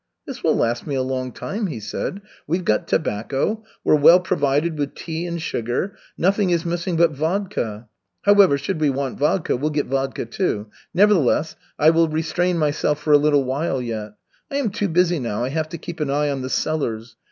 "This will last me a long time," he said. "We've got tobacco. We're well provided with tea and sugar. Nothing is missing but vodka. However, should we want vodka, we'll get vodka, too. Nevertheless, I will restrain myself for a little while yet. I am too busy now, I have to keep an eye on the cellars.